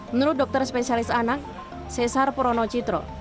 menurut dokter spesialis anak cesar porono citro